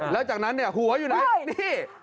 แล้วจากนั้นเนี่ยหัวอยู่ไหนนี่